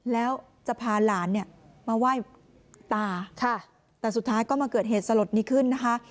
แล้วจะพาหลานเนี่ยมาไหว้ตาค่ะแต่สุดท้ายก็มาเกิดเหตุสลดนี้ขึ้นนะคะ